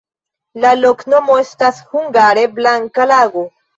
La loknomo estas hungare: blanka-lago.